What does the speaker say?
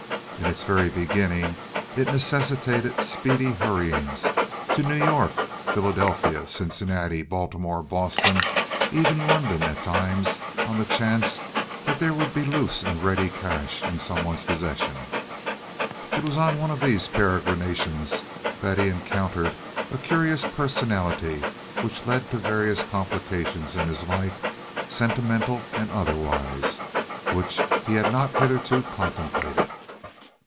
In its very beginning it necessitated speedy hurryings to New York, Philadelphia, Cincinnati, Baltimore, Boston—even London at times—on the chance that there would be loose and ready cash in someone's possession. It was on one of these peregrinations that he encountered a curious personality which led to various complications in his life, sentimental and otherwise, which he had not hitherto contemplated.